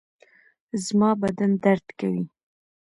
زما بدن درد کوي